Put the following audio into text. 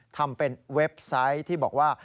ทำเป็นเว็บไซต์ที่บอกว่า